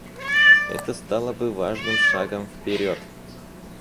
Это стало бы важным шагом вперед.